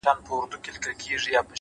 هوډ د نیمګړو امکاناتو بشپړونکی دی’